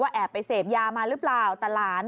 ว่าแอบไปเสบยามันหรึเปล่า